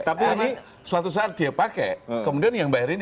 tapi ini suatu saat dia pakai kemudian yang bayarin